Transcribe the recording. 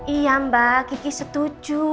iya mbak ki setuju